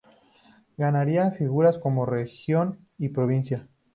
Canarias figuraba como región y provincia.